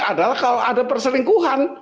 adalah kalau ada perselingkuhan